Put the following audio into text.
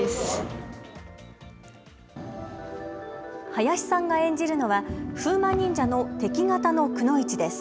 林さんが演じるのは風魔忍者の敵方のくノ一です。